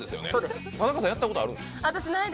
田中さん、やったことあるんですか？